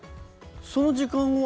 その時間は？